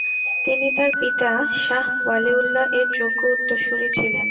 তিনি তার পিতা শাহ ওয়ালীউল্লাহ এর যোগ্য উত্তরশুরি ছিলেন।